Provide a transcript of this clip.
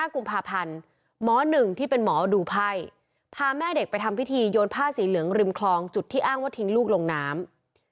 กุมภาพันธ์หมอ๑ที่เป็นหมอดูไพ่พาแม่เด็กไปทำพิธีโยนผ้าสีเหลืองริมคลองจุดที่อ้างว่าทิ้งลูกลงน้ำ